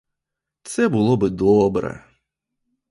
Це було би добре!